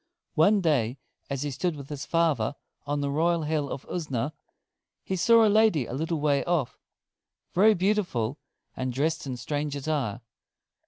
One day as he stood with his father on the royal Hill of Usna, he saw a lady a little way off, very beautiful, and dressed in strange attire.